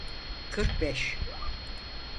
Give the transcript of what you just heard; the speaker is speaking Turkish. Kırk beş.